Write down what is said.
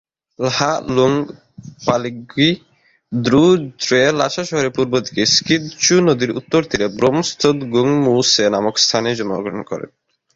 ল্হা-লুং-দ্পালগ্যি-র্দো-র্জে Lhasa শহরের পূর্বদিকে Kyid Chu নদীর উত্তর তীরে 'ব্রোম-স্তোদ-গুং-মো-ছে নামক স্থানে জন্মগ্রহণ করেন।